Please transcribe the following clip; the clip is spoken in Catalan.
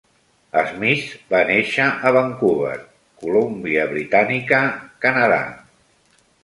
Smith va néixer a Vancouver, Columbia Britànica, Canadà.